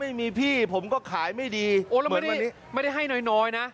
ไม่มีพี่ผมก็ขายไม่ดีไม่ได้ให้น้อยนะ